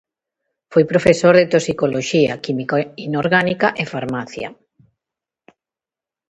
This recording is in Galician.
Foi profesor de Toxicoloxía, Química Inorgánica e Farmacia.